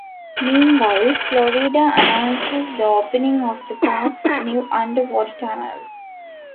Meanwhile, Florida announces the opening of the park's new underwater tunnels.